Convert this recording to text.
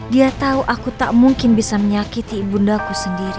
dia tahu aku tak mungkin bisa menyakiti ibundaku sendiri